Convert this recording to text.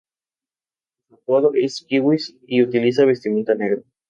Su apodo es "Kiwis" y utiliza vestimenta negra.